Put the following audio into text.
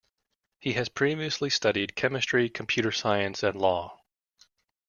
He has previously studied Chemistry, Computer Science and Law.